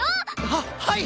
ははい！